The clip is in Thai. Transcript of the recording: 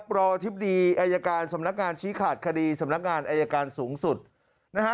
อธิบดีอายการสำนักงานชี้ขาดคดีสำนักงานอายการสูงสุดนะฮะ